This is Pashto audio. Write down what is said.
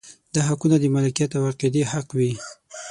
دا حقونه د مالکیت او عقیدې حق وي.